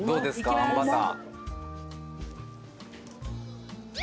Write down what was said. あんバター。